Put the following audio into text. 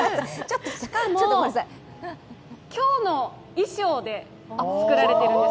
しかも、今日の衣装で作られてるんです。